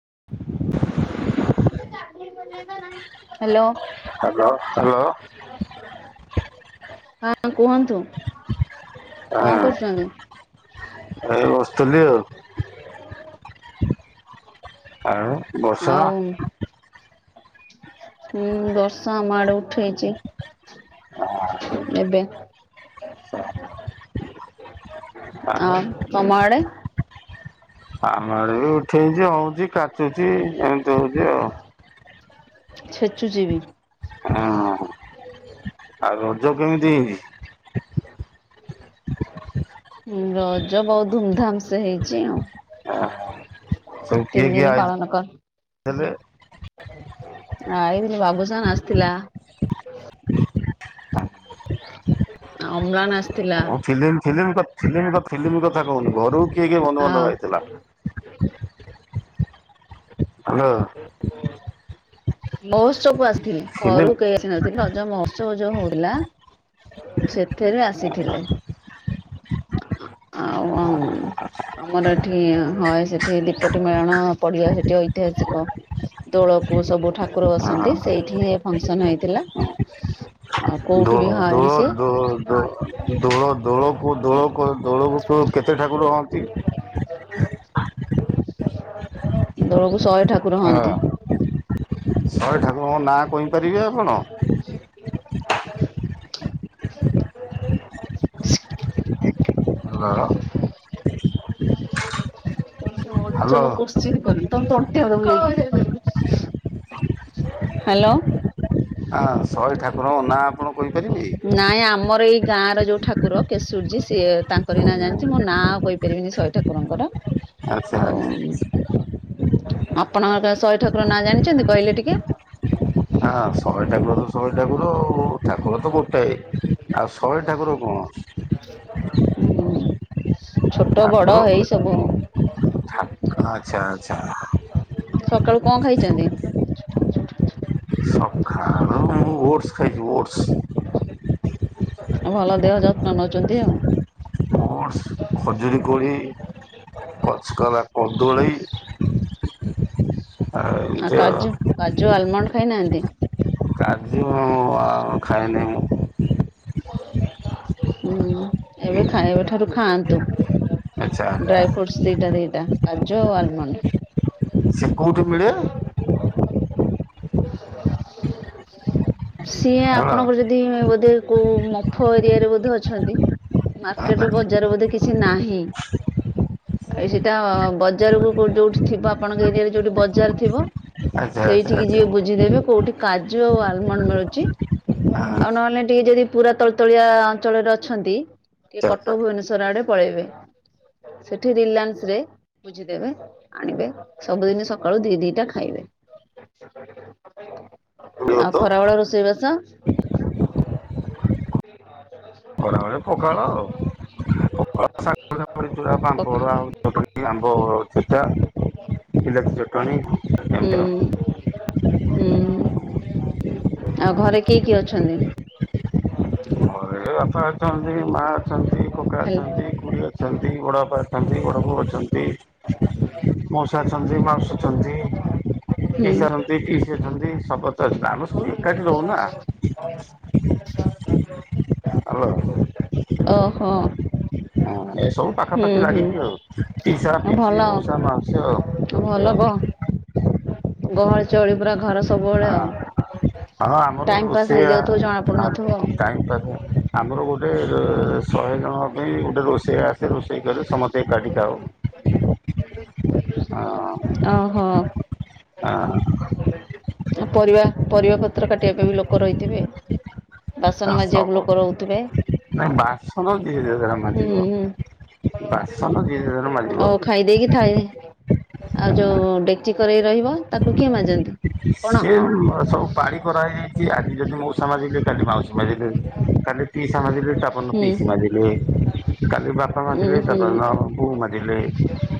[unintelligible] [unintelligible] Hello hello hello. [inaudible] ହଁ କୁହନ୍ତୁ କଣ ହଁ କରୁଛନ୍ତି? ଥିଲି ଆଉ, ଆଉ ବର୍ଷା ଆଉ ହୁଁ ବର୍ଷା ଆମ ଆଡେ ଉଠେଇଛି ଏବେ। [unintelligible] ଆଉ ତମଆଡ଼େ? ଆମ ଆଡେ ବି ଉଠେଇଛି, ହଉଛି, କାଚୁଛି, ଏମିତି ହଉଛି ଆଉ। ଛେଚୁଚି ବି। ହଁ ଆଉ ରଜ କେମିତି ହେଇଛି? ହଁ ରଜ ବହୁତ ଧୁମଧାମ ସେ ହେଇଛି ଆଉ। ସବୁ କିଏ ତିନି କିଏ ଦିନି ପାଳନ ଆଇଥିଲେ କର ଆ ଏଇଥି ବାବୁସାନ ଆସିଥିଲା। ଅମ୍ଲାନ ଆସ ଓ ଫିଲ୍ମ ଫିଲ୍ମ କ ଫିଲ୍ମ କ ଫିଲ୍ମ କଥା କହୁନି, ଘରକୁ କିଏ କିଏ ଆଉ ବନ୍ଧୁବାନ୍ଧବ ଆଇଥିଲା। ହାଲୋ। ମହୋତ୍ସବୁ କୁ ଆସିଥିଲେ, ଫିଲ୍ମ ଘରୁ କୁ କେହି ଆସିନଥିଲେ, ରଜ ମହୋତ୍ସବ ଯଉ ହେଲା, ସେଥିରେ ଆସିଥିଲେ। ହ ଆଉ [unintelligible] ଆମର ଏଠି, ହ ସେଠି, ଦୀପଟି ମେଳଣ ପଡିିବା ସେଠି ଐତିହାସିକ ଦୋଳକୁ ସବୁ ଠାକୁର ବସନ୍ତି, ସେଇଠି ଫଙ୍କସନ ହେଇଥିଲା। ଆଉ କୋଉଠି ବି ଦୋଳ, ହଏନି ଦୋଳ, ସିଏ ଦୋଳ, ଦୋ ଦୋଳ ଦୋଳକୁ କେତେଟ ଠାକୁର ହୁଅନ୍ତି? ଦୋଳକୁ ଶହେ ଠାକୁର ହୁଅନ୍ତି। ହଁ ଶହେ ଠାକୁରଙ୍କ ନାଁ କହିପାରିବେ ଆପଣ? [unintelligible] [unintelligible] [unintelligible] ତମେ ସବୁ ଅଜବ ହ୍ୟାଲୋ କୋତ୍ସିନ୍ କରନି ତମେ ତଣ୍ଟିଆ ହାଲୋ ହଁ ଶହେ ଠାକୁରଙ୍କ ନାଁ ଆପଣ କହିପାରିବେ? [unintelligible] ନାଇଁ ଆମର ଏଇ ଗାଁ ର ଯୋଉ ଠାକୁର, କେଶୁରଜୀ ସିଏ ତାଙ୍କର ନାଁ ଜାଣିଛି। ମୁଁ ନାଁ ଆଉ କହିପାରିବିନି ଶହେ ଠାକୁରଙ୍କର। ଆଛା ଆ ଆଉ ଆପଣଙ୍କର ଶହେ ଠାକୁର ନାଁ ଜାଣିଛନ୍ତି, କହିଲେ ଟିକେ? ହଁ ଶହେ ଠାକୁର ତ ଶହେ ଠାକୁର ଆଉ ଠାକୁର ତ ଗୋଟାଏ। ଆଉ ଶହେ ଠାକୁର କଣ [unintelligible] ହୁଁ ଛୋଟ ଠାକୁର ବଡ ହେଇ ସବୁ। ଠା ଆଚ୍ଛା ଆଚ୍ଛା। ସକାଳୁ କଣ ଖାଇଛନ୍ତି। [inaudible] ଓଟଶ୍ ଖାଉଚି ଓଟସ୍। ଭଲ ଦେହ ଯତ୍ନ ନଉଚନ୍ତି ଆଉ। ଓଟସ୍ ଖଜୁରୀ କୋଳି ପଚ୍ କରା କଦଳୀ। ଆଉ କାଜୁ କାଜୁ ଆଲ୍ ମଣ୍ଡ ଖାଇନାହାନ୍ତି? କାଜୁ ହଁ ଅ ଖାଇନି ମୁଁ। ହୁଁ ଏବେ ଖା ଏବେ ଠାରୁ ଖାଆନ୍ତୁ। ଆଚ୍ଛା ଆଚ୍ଛା ଡ୍ରାଇ ଫ୍ରୁଡୁଶ୍ ଦିଟା ଦିଟା କାଜୁ ଆଉ ଆଲ୍ ମଣ୍ଡ। ସେ କେଉଁଠି ମିଳେ? ସିଏ ହ୍ୟାଲୋ ଆପଣଙ୍କର ଆଚ୍ଛା ଯଦିଵୋ କୋଉ ମଫୁ ଏରିଆରେ ବୋଧେ ଅଛନ୍ତି? ମାର୍କେଟ ବଜାର ବୋଧେ କିଛି ନାହିଁ। ଏ ସେଟା ବଜାରକୁ କ ଯୋଉଠି ଥିବ ଆପଣଙ୍କ ଏରିଆରେ ଯୋଉଠି ବଜାର ଥିବ ଆଚ୍ଛା ସେଇଠିକି ଆଚ୍ଛା ଯିବେ ହଁ ବୁଝିଦେବେ କୋଉଠି କାଜୁ ଆଉ ଆଲ୍ ମଣ୍ଡ ମିଳୁଚି। ଆଉ ଆଚ୍ଛା ନହେଲେ ଟିକେ ଯଦି ପୁରା ତଳ ତଳିଆ ଅଞ୍ଚଳରେ ଅଛନ୍ତି ଟିକେ ଆଚ୍ଛା କଟକ ଭୁବନେଶ୍ଵର ଆଡେ ପଳେଇବେ। ସେଠି ରିଲାନ୍ସ ରେ ବୁଝିଦେବେ ଆଣିବେ। ସବୁଦିନ ସକାଳୁ ଦି ଦିଟା ଖାଇବେ। ମିଳିବ ଆଉ ତ? ଖରା ବଳ ରୋଷେଇବାସ? ଖରାବେଳେ ପଖାଳ [unintelligible] ବଡ଼ି ଚୁରା, ପଖ ପାମ୍ପଡ଼ ଆଉ ଚଟଣୀ। ବିଲାତି ଚଟଣୀ ହୁଁ ଏମିତି ଆଉ। ହୁଁ ଆଉ ଘରେ କିଏ କିଏ ଅଛନ୍ତି? ଘରେ [unintelligible] ବାପା ଅଛନ୍ତି ମା ଅଛନ୍ତି କକା ହେଲ ଅଛନ୍ତି ଖୁଡ଼ି ଅଛନ୍ତି ବଡ଼ ବାପା ଅଛନ୍ତି ବଡ଼ ବୋଉ ଅଛନ୍ତି ମଉସା ଅଛନ୍ତି ମାଉସୀ ଅଛନ୍ତି ହୁଁ ପିଉସା ଅନ୍ତି ପିଉସୀ ଅଛନ୍ତି ସମସ୍ତେ ଅଛନ୍ତି ଆମେ ସବୁ ଏକାଠି ରହୁନା। [unintelligible] ଓହୋ ହାଲୋ। ହଁ ଏସବୁ ହୁଁ ପାଖାପାଖି ହୁଁ ଲାଗିକି ଆଉ ପିଇସା, ଆଉ ଭଲ ପିଇସୀ, ମଉସା, ମାଉସୀ ଆଉ। ଏମିତି ଭଲ ଆଉ ଗ ଗହଳି ଚହଳି ପୁରା ଘର ସବୁବଳେ ହଁ ଆଉ। ହଁ ଆମର ଟାଇମ ପାସ୍ ରୋଷେଇଆ ହେଇଯାଉଥିବ ଜଣା ପଡୁନଥିବ ଆଉ। ଟାଇମ୍ କରେ ଆମର ଗୋଟେ ଶହେ ଜଣହଵ ସି ଗୋଟେ ରୋଷେଇ ଆସେ ରୋଷେଇ କରେ ସମସ୍ତେ ଏକାଠି ଖାଉହା। ଓହୋ। ପରିବା ପରିବା ପତ୍ର କାଟିବା ପାଇଁ ବି ଲୋକ ରହିଥିବେ? ବାସନ ମାଜିବାକୁ ଲୋକ ରହୁଥୁବେ? ଆସନ ଦିରି ହୁଁ ହୁଁ ଯିଏ ଯାହାର ମାଜିବ ଓ ଖାଇଦେଇ କି ଥାଳିରେ ଆଉ ଯୋଉ ଡେକ୍ଚି କରେଇ ରହିବ ତାକୁ କିଏ ମାଜନ୍ତି? ଆପଣ ସେ ସବୁ ପାଳି କରା ହେଇଯାଇଛି ଆଜି ଯଦି ମଉସା ମାଜିଲେ କାଲି ମାଉସୀ ମାଜିଲେ କାଲି ପିଉସା ମାଜିଲେ ତା ପରଦିନ ହୁଁ ପିଉସୀ ମାଜିଲେ କାଲି ବାପା ଉଁ ମାଜିଲେ ତା ହୁଁ ପରଦିନ ପ ବୋଉ ମାଜିଲେ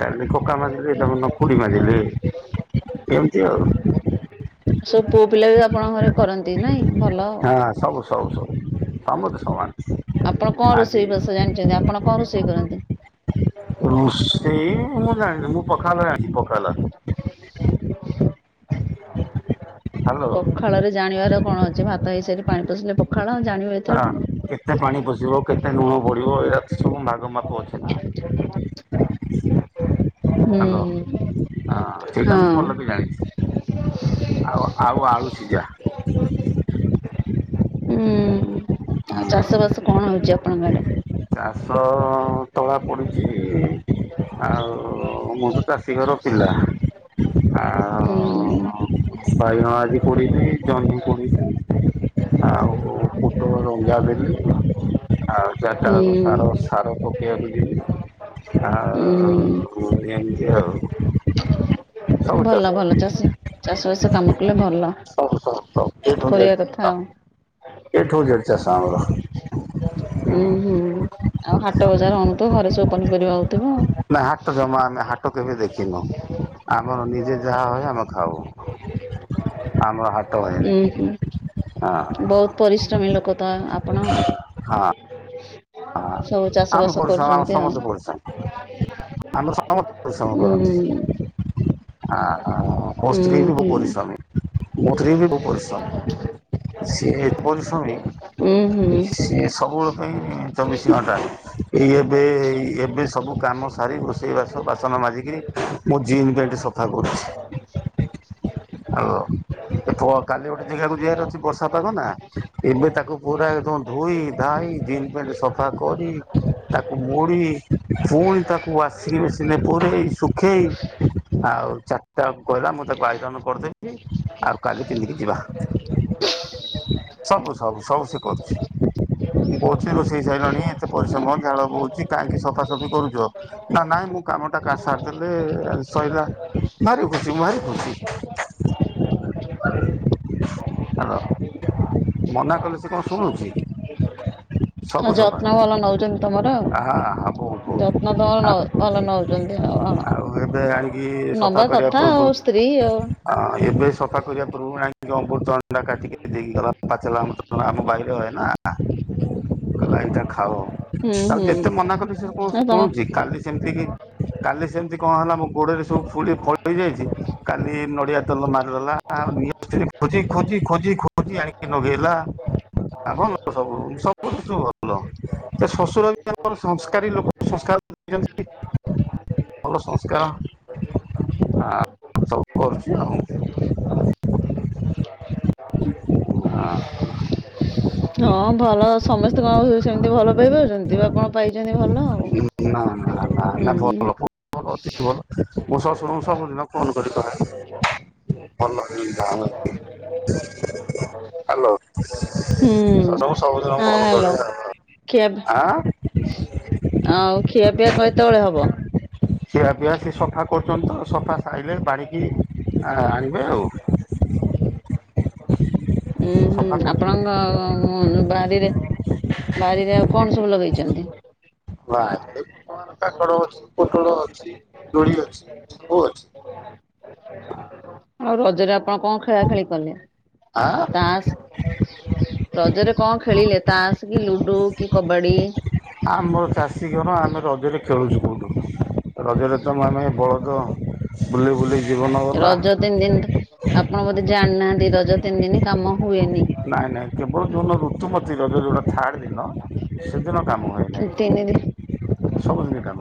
କାଲି କକା ମାଜିଲେ ତା ପରଦିନ ଖୁଡ଼ି ମାଜିଲେ ଏମିତି ଆଉ। ସବୁ ପୁଅ ପିଲା ବି ଆପଣଙ୍କ ଘରେ କରନ୍ତି ନାଇଁ ଭଲ ଆଉ। ସମତେ ଆପଣ କଣ ସମାନ ଆଜିି ରୋଷେଇ ବାସ ଜାଣିଛନ୍ତି ଆପଣ କଣ ରୋଷେଇ କରନ୍ତି? ରୋଷେଇ ମୁଁ ଜାଣିନି ମୁଁ ପଖାଲ ଜାଣିଚି ପଖାଲ। ହ୍ୟାଲୋ ହଁ ପଖାଳରେ ଜାଣିବାର କଣ ଅଛି, ଭାତ ହେଇ ସାରିଲେ ପାଣି ପୋଶିଲେ ପଖାଳ ଆଉ ଜାଣିବା ଏଥିରେ କଣ? କେତେ ପାଣି ପଶିବ କେତେ ଲୁଣ ପଡ଼ିବ ଏଗୁଡା଼ ତ ସବୁ ଭାଗ ମାପ ଅଛି ନା? ହୁଁ। ହ୍ୟାଲୋ ହଁ ସେଇଟା ହଁ ମୁଁ ଭଲ କି ଜାଣିଛି। ଆଉ ଆଉ ଆଳୁ ସିଝା ହୁଁ। ଆଉ ଚାଷ ବାସ କଣ ହଉଛି, ଆପଣଙ୍କ ଆଡ଼େ? ଚାଷ ତଳା ପଡ଼ୁଛି ଆଉ ମୁଁ ତ ଚାଷୀ ଘର ପିଲା ଆଉ ହୁଁ ବାଇଗଣ ଆଜି ପଢଛି ଜହମ ପଛି ଆଉ କୁଟୁ ରଙ୍ଗାବିଲ ଆଉ ହୁଁ ତାରୁ ସାର ସାର ପକେଇବାକୁ ଯ ହୁଁ ଆ ନେଇତି ଆଉ। ସବୁ ଚାଷ ଭଲ ଭଲ ଚାଷ ଚାଷବାଷ କାମ କଲେ ଭଲ ସବୁ ସବୁ କରିବା କଥା ଆଉ। ଏଠୁ ଜଡଚ ସାମ ର ହୁଁ। ଆଉ ହାଟ ବଜାର ଆଣୁଥ ଘରେ ସବୁ ପନିପରିବା ହଉଥିବ ନା ହାଟ ଜମା ଆଉ। ଆମେ ହାଟ କେବେ ଦେଖିନୁ ଆମର ନିଜେ ଯାହା ହୁଏ ଆମେ ଖାଉ ଆମର ହାଟ ହୁଏନାଇ ଉୁଁ ହୁଁ। କି ବହୁତ ପରିଶ୍ରମୀ ଲୋକ ତ ଆପଣ? ହ ସବୁ ଚାଷ ଆମେ ବାସ ପରିଶ୍ରମ ଆମ କରୁଛନ୍ତି ଆଉ ସମସ୍ତ ପରିଶ୍ରମ ଆମ ରିଶମ ଉଁ କରନ୍ତି ହଁ ଉଁ ମସ୍ତ୍ରୀ ବି ବହୁ ହୁଁ ପରିଶାମୀ ମତୁର୍ରୀ ବି ବହୁ ପରିଶାମ ସେ ପରିଶ୍ରମୀ ଉଁ ହୁଁ ସେ ସବୁବେଳେ ପାଇଁ ଚବିଶ ଘଣ୍ଟା ଏ ଏବେ ଏବେ ସବୁ କାମ ସାରି ରୋଷେଇ ବା ବାସନ ମଜିକି ମୁ ଜିନ୍ ପଣ୍ଟ ସଫା କରୁଚି। [inaudible] କାଲି ଗୋଟେ ଜାଗାକୁ ଯିବାର ଅଛି ବର୍ଷା, ପାଗ ନା ଏବେ ତାକୁ ପୁରା ଯୋଉ ଧୋଇ ଧାଇ ଜିନ ପେଣ୍ଟ ସଫା କରି ତାକୁ ମୋଡ଼ି ପୁଣି ତାକୁ ଆସିକି ସିନେ ପରୋଇ ଶୁଖେଇ ଆ ଆଉ ଚାରିଟାକୁ କହିଲା ମୁଁ ତାକୁ ଆଇରନ କରିଦେଇବି ଆଉ କାଲି ପିନ୍ଧିକି ଯିବା ସବୁ ସବୁ ସବୁ ସେ କରୁଛି, କହୁଛି ସାରିଲାଣି ଏତେ ପରିଶ୍ରମ ଝାଳ ବୋଉଛି, କାହିଁକି ସଫାସଫି କରୁଛ ନା ନାଇ ମୁଁ କାମ ଟା ସି ଶୋଇଲା ଭାରି ଖୁସି ଭାରି ଖୁସି [inaudible] [inaudible] [inaudible] ମନା କଲେ ସେ କଣ ଶୁଣୁଛି ସବୁ ଆଉ ସଫା ଯତ୍ନ ଭଲ ନଉଛନ୍ତି ତମର ଆଉ ଆହା ଆହା ବହୁତ ବହୁତ ଯତ୍ନ ଆ ତମର ଭଲ ନଉଛନ୍ତି ଆଉ। ହଁ ଏବେ ଆଣିକି ନବା କଥା ଆଉ ସ୍ତ୍ରୀ ଆଉ। ହଁ ଏବେ ସଫା କରିବା ପୂର୍ବରୁ ଚା କାଟିକି ଦେଇକି ଗଲା ପାଚିଲା ଆମ ଆମ ବାଇରେ ହ ନା କାଇତା ଖାଅ ହୁଁ ଆଉ ହୁଁ ଯେତେ ମନା କଲି ସେ କଣ ଆଉ ତମ ଶୁଣୁଛି, କାଲି ସେମିତି କି କାଲି ସେମିତି କଣ ହେଲା ମୁଁ ସବୁ ଫୁ ଫଳ ହେଇଯାଇଛି, କାଲି ନଡିଆ ତେଲ ମାରିଦେଲା ଆଉ ଖୋଜି ଖୋଜି ଖୋଜି ଆଣିକି ଲଗେଇଲା ଭଲ ସବୁୁ ଭଲ ସେ ଶ୍ୱଶୁର ବି ଆମର ସଂସ୍କାରୀ ଲୋକ ସଂସ୍କାରଛନ୍ତି ଆ, [inaudible] ସବୁ କରୁଛି ଆଉ [inaudible] [inaudible] ହଁ ଭଲ ସମସ୍ତେ କଣ ଆଉ ସେମତି ଭଲ ପାଇପାରୁଛନ୍ତି, ଦେବା କଣ ପାଇ ନା ନା ନା ହୁଁ ନା ଭଲ ହୁଁ ବହୁତ ଭଲ ଅତି ଭଲ ମୁଁ ଶ୍ୱଶୁରଙ୍କୁ ସବୁଦିନ ଫୋନ କରି କହେ ଭଲ [inaudible] ହ୍ୟାଲୋ ହୁଁ ଶ୍ୱଶୁରଙ୍କୁ ସବୁଦିନ ହଁ ଫୋନ୍ କରେ ହାଲୋ ଖିଆ ଆଉ ଆଁ ଆଉ ଖିଆପିଆ କତେବେଳେ ହବ? କରୁଚନ୍ତି ତ ସଫା ସାଇଲେ ବାଢ଼ିକି ଆ-ଆଣିବେ ଆଉ। ଉଁ ହୁଁ ସଫା କରୁଛନ୍ତି ଆପଣଙ୍କ କ-କ ବାରିରେ ବାରିରେ ଆଉ କଣ ସବୁ ଲଗେଇଚନ୍ତି? ନା ଏମତି ବର୍ତ୍ତମାନ କାକଡ ଅଛି, ପୋଟଳ ଅଛି, ଦୋଳି ଅଛି ସବୁ ଅଛି। ଆଉ ରଜରେ ଆପଣ କଣ ଖେଳା ଖେଳି କଲେ? ଆ ତାସ ରଜରେ କଣ ଖେଳିଲେ ତାସ? କି ଲୁଡୁ, କି କବାଡି ଆମର ଚାଷୀ ଘର ଆମେ ରଜରେ ଖେଳୁଛୁ କୋଉଁଠୁ? ରଜରେ ତ ଆମେ ବଳଦ ବୁଲି ବୁଲି ଜୀବନ ଗଲା। ରଜ ତିନି ଦିନ ଆପଣ ବୋଧେ ଜାଣିନାହାଁନ୍ତି ରଜ ତିନି ଦିନ କାମ ହୁଏନି। ନାଇଁ ନାଇଁ କେବଳ ଯୋଉଦିନ ଋତୁମତୀ ରଜ ଯୋଉଟା ଥାର୍ଡ଼ ଦିନ ତିନି [unintelligible] ସବୁଦିନେ କାମ।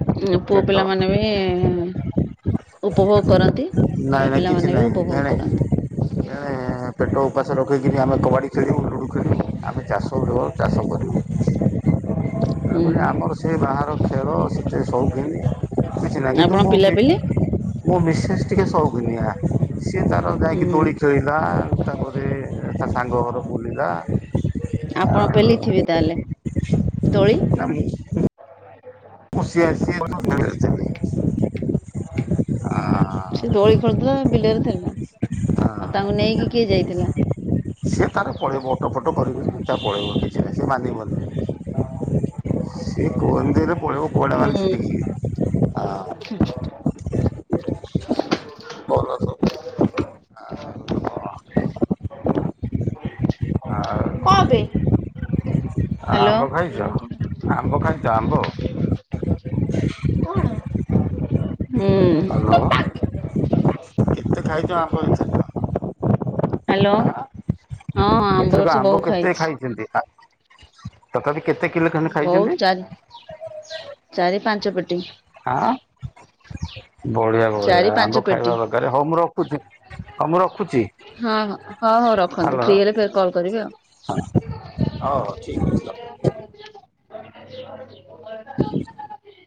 ଦିନ ପୁଅ ପିଲାମାନେ ବି ଉପଭୋଗ କରନ୍ତି ଝିଅ ନାଇଁ ନାଇଁ କିଛି ପିଲାମାନେ ବି ନାଇଁ ଉପଭୋଗ ନା କରନ୍ତି। ନାଇ ନା ନାଇଁ ପେଟ ଉପାସ ରଖିକିରି ଆମେ କବାଡ଼ି ଖେଳିବୁ, ଲୁଡ଼ୁ ଖେଳିବୁ, ଆମେ ଚାଷ ଘର ଚାଷ କରୁ ହୁଁ। ଆମର ସେ ବାହାର ଖେଳ ସେତେ ସଉକିନି କିଛି ନାହିଁ କିନ୍ତୁ ଆପଣଙ୍କ ମୋ ପିଲାପିଲି? ମୋ ମିସେସ ଟିକେ ସଉକିନିଆ ସିଏ ତାର ହୁଁ ଯାଇକି ଦୋଳି ଖେଳିଲା, ତାପରେ ତା ସାଙ୍ଗ ଘର ବୁଲିଲା ଆପଣ ପେଲିଥିବେ ତାହେଲେ ଦୋଳି। ଆମେ [unintelligible] ହ [inaudible] ପଶି ଆସିଚି [inaudible] ସିଏ ଦୋଳି ଖେଳୁଥିଲା ବିଲରେ ଥିଲା ଆଉ ତାଙ୍କୁ ନେଇକି କିଏ ଯାଇଥିଲା? ସେ ତାର ପଳେଇବ ଅଟୋ ଫଟ କରିକିରି ସିଏ ତାର ପଳେଇବ କିଛି ନାହିଁ ସିଏ ମାନିବନି। ସିଏ କୋଅନ୍ଦିରେ ପଳେଇବ କୁଆଡ଼େ ଗଲେ ହୁଁ ସିଟିକି ଆ [inaudible] ଭଲ ସବୁ। କଅବେ ହ୍ୟାଲୋ। ଆମ୍ବ ଖାଇଛ? ଆମ୍ବ ଖାଇଛ ଆମ୍ବ? କଣ? ହୁଁ। ହ୍ୟାଲୋ କେତେ ଖାଇଛ ଆମ୍ୱ ଏଥର? ହ୍ୟାଲୋ ହଁ ଆମ୍ବ ଏ ଏଥରକ ବର୍ଷ ବହୁ କେତେ ଖାଇଛି। ଖାଇଛନ୍ତି? ତଥାପି କେତେ କିଲୋ ଖଣ୍ଡେ ଖାଇଛନ୍ତି? ବହୁତ ଚାରି ଚାରି ପାଞ୍ଚ ପେଟି। ଆଁ ବଢିଆ ବଢିଆ ଚାରି ଆମ୍ବ ପାଞ୍ଚ ପେଟି। ଖାଇବା ଦରକାର। ହଉ ମୁଁ ରଖୁଛି ହଉ ମୁଁ ରଖୁଛି? ହଁ ରଖନ୍ତୁ ହ୍ୟାଲୋ ଫ୍ରି ହେଲେ କଲ କରିବି ହଉ ଠିକ୍ ଅଛି। ଆଉ। ହ [inaudible]